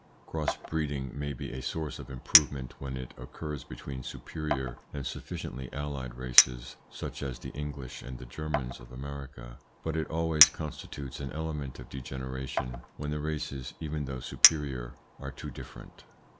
Cross breeding may be a source of improvement when it occurs between superior and sufficiently allied races, such as the English and the Germans of America, but it always constitutes an element of degeneration when the races, even though superior, are too different.